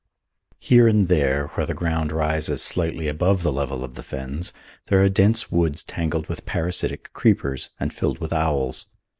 Here and there where the ground rises slightly above the level of the fens there are dense woods tangled with parasitic creepers and filled with owls.